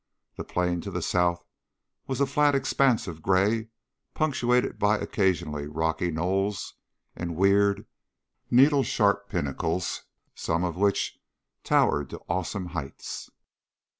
The plain to the south was a flat expanse of gray punctuated by occasional rocky knolls and weird, needle sharp pinnacles, some of which towered to awesome heights.